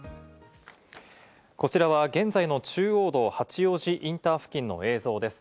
こちらは現在の中央道・八王子インター付近の映像です。